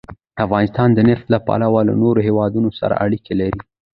افغانستان د نفت له پلوه له نورو هېوادونو سره اړیکې لري.